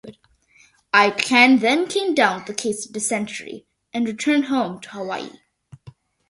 Aitken then came down with a case of dysentery, and returned home to Hawaii.